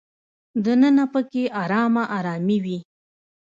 دننه په کې ارامه ارامي وي.